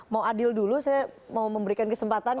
mau adil dulu saya mau memberikan kesempatan